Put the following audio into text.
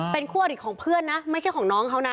เป็นคู่อริของเพื่อนนะไม่ใช่ของน้องเขานะ